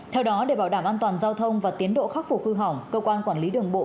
theo đó để bảo đảm an toàn giao thông và tiến độ khắc phục hư hỏng cơ quan quản lý đường bộ